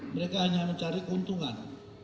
mereka hanya mencari keuntungan